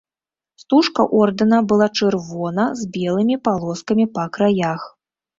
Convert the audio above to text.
Стужка ордэна была чырвона з белымі палоскамі па краях.